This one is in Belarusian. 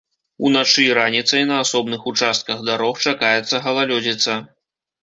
Уначы і раніцай на асобных участках дарог чакаецца галалёдзіца.